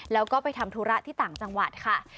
แล้วก็ไปทำธุระที่ต่างจังหวัดค่ะ